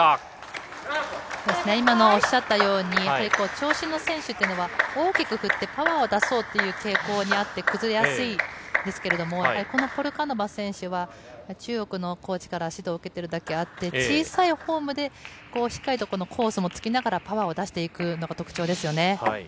今のおっしゃったように、やっぱり長身の選手というのは、大きく振ってパワーを出そうっていう傾向にあって、崩れやすいんですけれども、このポルカノバ選手は、中国のコーチから指導を受けてるだけあって、小さいフォームで、しっかりとコースも突きながらパワーを出していくのが特徴ですよね。